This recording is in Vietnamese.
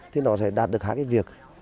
thì nó sẽ đạt được hai cái việc